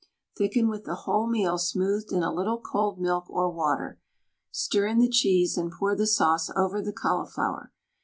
Thicken with the wholemeal smoothed in a little cold milk or water. Stir in the cheese and pour the sauce over the cauliflower.